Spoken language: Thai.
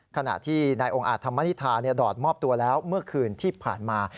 ขณะที่นายองค์อาจธรรมนิษฐาดอดมอบตัวแล้วเมื่อคืนที่ผ่านมา